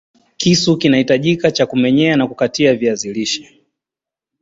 Kisu kitahitajika cha kumenyea na kukatia viazi lishe